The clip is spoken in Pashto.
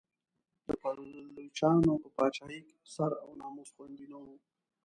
د پایلوچانو په پاچاهۍ کې سر او ناموس خوندي نه و.